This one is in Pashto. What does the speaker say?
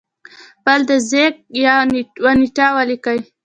خپل د زیږی و نېټه ولیکل